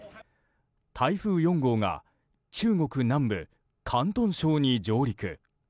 台風４号が中国南部広東省に上陸。